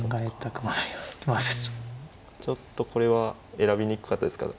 ちょっとこれは選びにくかったですか。